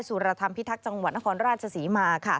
สุรธรรมพิทักษ์จังหวัดนครราชศรีมา